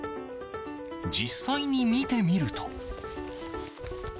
実際に見てみると。